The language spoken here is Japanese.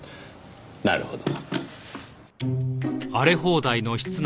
なるほど。